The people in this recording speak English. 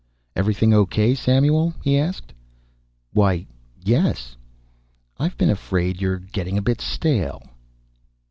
"Everything O. K., Samuel?" he asked. "Why, yes." "I've been afraid you're getting a bit stale."